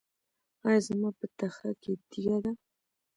ایا زما په تخه کې تیږه ده؟